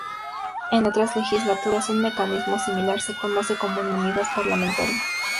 En otras legislaturas, un mecanismo similar se conoce como inmunidad parlamentaria.